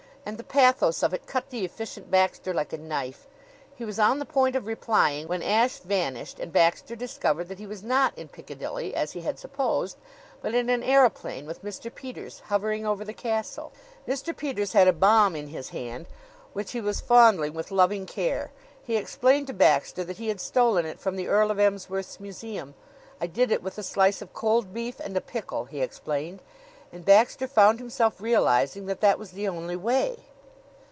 And the pathos of it cut the Efficient Baxter like a knife. He was on the point of replying; when Ashe vanished and Baxter discovered that he was not in Piccadilly, as he had supposed, but in an aeroplane with Mr. Peters, hovering over the castle. Mr. Peters had a bomb in his hand, which he was fondling with loving care. He explained to Baxter that he had stolen it from the Earl of Emsworth's museum. "I did it with a slice of cold beef and a pickle," he explained; and Baxter found himself realizing that that was the only way.